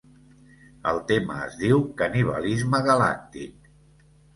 El tema es diu "canibalisme galàctic".